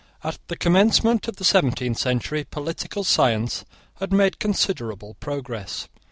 At the commencement of the seventeenth century political science had made considerable progress.